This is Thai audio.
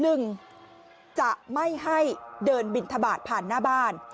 หนึ่งจะไม่ให้เดินบินทบาทผ่านหน้าบ้าน